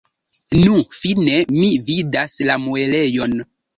Nu, fine mi vidas la muelejon!